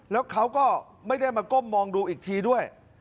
แล้วเขาก็ไม่ได้มาก้มมองดูอีกทีด้วย